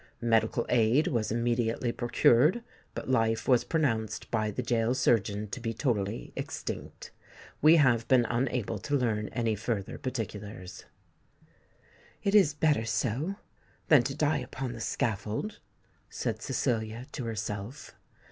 Medical aid was immediately procured; but life was pronounced by the gaol surgeon to be totally extinct. We have been unable to learn any further particulars." "It is better so, than to die upon the scaffold," said Cecilia to herself.